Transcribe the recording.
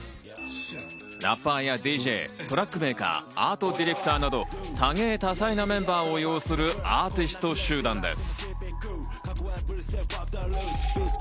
ラッパーやＤＪ、トラックメイカー、アートディレクターなど多芸・多才なメンバーを擁するアーティスト集団です。